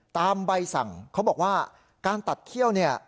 ใบสั่งเขาบอกว่าการตัดเขี้ยวเนี่ย